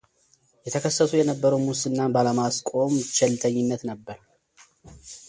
የተከሰሱ የነበረው ሙስናን ባለማስቆም ቸልተኝነት ነበር።